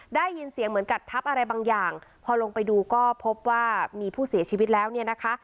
ได้ยินเสียงเหมือนกัดทับอะไรบางอย่างพอลงไปดูก็พบว่ามีผู้เสียชีวิตแล้วเนี่ยนะคะ